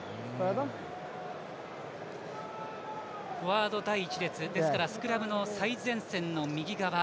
フォワード第１列ですからスクラムの最前線の右側。